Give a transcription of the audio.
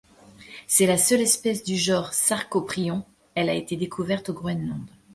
C'est la seule espèce du genre Sarcoprion, elle a été découverte au Groenland.